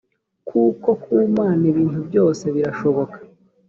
kuko ku mana ibintu byose birashoboka